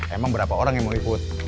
emang berapa orang yang mau ikut